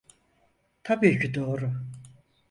Tabii ki doğru.